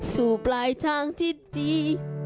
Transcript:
สู่ปลายทางทิศดี